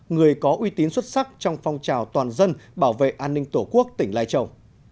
người có uy tín xuất sắc trong phong trào toàn dân bảo vệ an ninh tổ quốc tỉnh lai châu